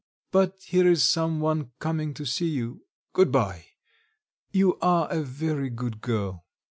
but here is some one coming to see you. Goodbye. You are a very good girl."